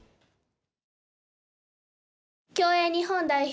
競泳日本代表